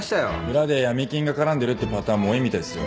裏で闇金が絡んでるってパターンも多いみたいですよ。